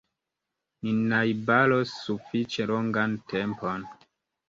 Ni najbaros sufiĉe longan tempon.